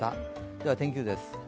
では天気図です。